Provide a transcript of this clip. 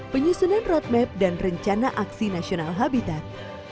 penyusunan roadmap dan rencana aksi nasional habitat